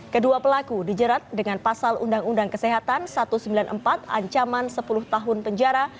kedua pelaku dijerat dengan pasal undang undang kesehatan satu ratus sembilan puluh empat ancaman sepuluh tahun penjara